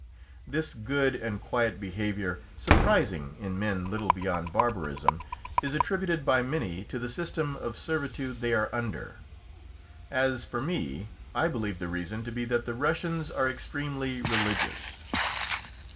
This good and quiet behaviour, surprising in men little beyond barbarism, is attributed by many to the system of servitude they are under. As for me, I believe the reason to be that the Russians are extremely religious.